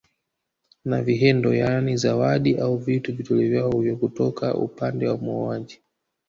Na vihendo yaani zawadi au vitu vitolewavyo kutoka upande wa muoaji